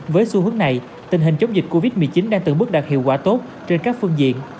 với xu hướng này tình hình chống dịch covid một mươi chín đang từng bước đạt hiệu quả tốt trên các phương diện